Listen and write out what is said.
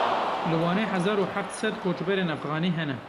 Li Wanê hezar û heft sed koçberên Efxanî hene.